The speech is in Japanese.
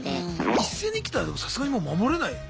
一斉に来たらでもさすがにもう守れないっすよね。